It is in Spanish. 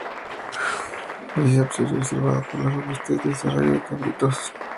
Así se ha observado por la robustez y desarrollo de los cabritos.